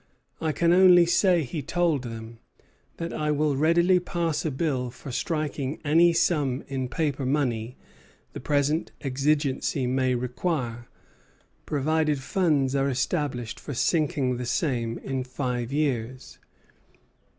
"I can only say," he told them, "that I will readily pass a bill for striking any sum in paper money the present exigency may require, provided funds are established for sinking the same in five years."